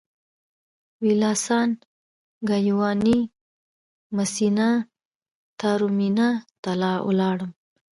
ویلاسان ګایواني مسینا تاورمینا ته ولاړم.